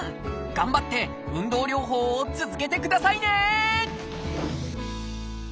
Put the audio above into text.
頑張って運動療法を続けてくださいね！